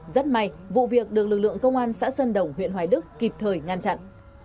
rất may vụ việc được lực lượng công an xã sơn đồng huyện hoài đức kịp thời ngăn chặn